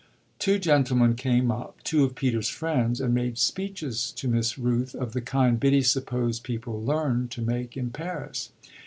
Two gentlemen came up, two of Peter's friends, and made speeches to Miss Rooth of the kind Biddy supposed people learned to make in Paris.